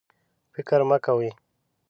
فکر مه کوئ